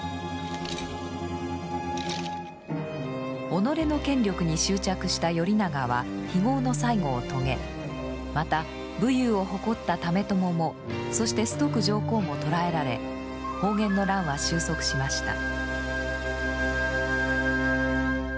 己の権力に執着した頼長は非業の最期を遂げまた武勇を誇った爲朝もそして崇徳上皇も捕らえられ保元の乱は終息しました。